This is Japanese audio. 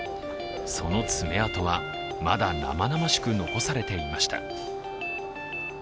その爪痕はまだ生々しく残されていました。